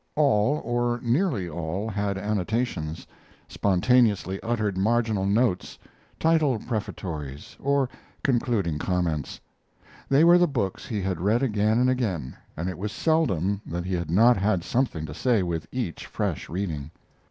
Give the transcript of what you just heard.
All, or nearly all, had annotations spontaneously uttered marginal notes, title prefatories, or concluding comments. They were the books he had read again and again, and it was seldom that he had not had something to say with each fresh reading.